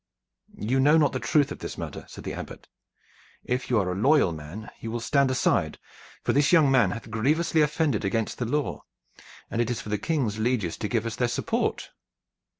"You know not the truth of this matter," said the Abbot. "If you are a loyal man, you will stand aside, for this young man hath grievously offended against the law, and it is for the King's lieges to give us their support."